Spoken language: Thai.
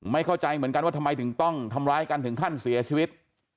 เข้าใจเหมือนกันว่าทำไมถึงต้องทำร้ายกันถึงขั้นเสียชีวิต